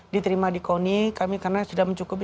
diterima di koni kami karena sudah mencukupi